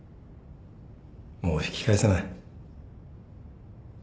もう引き返せない。